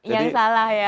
yang salah ya